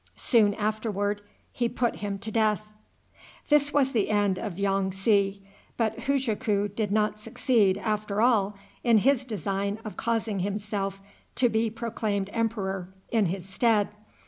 Soon afterward he put him to death. This was the end of Yong tsi; but Hujaku did not succeed, after all, in his design of causing himself to be proclaimed emperor in his stead.